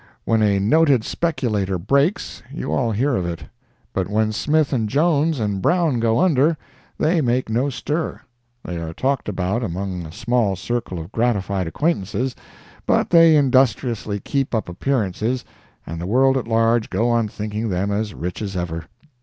When a noted speculator breaks, you all hear of it; but when Smith and Jones and Brown go under, they make no stir; they are talked about among a small circle of gratified acquaintances, but they industriously keep up appearances, and the world at large go on thinking them as rich as ever.